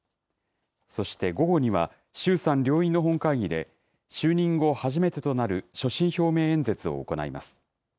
そして午後には、衆参両院の本会議で、就任後初めてとなる所信表明演説を行います。